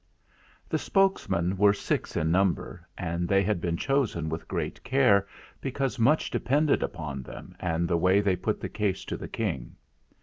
The spokesmen were six in number, and they had been chosen with great care, because much depended upon them and the way they put the case to the King.